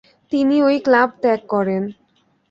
তিনি ঐ ক্লাব ত্যাগ করেন।